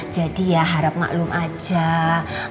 jadi ya harap maklum aja yaa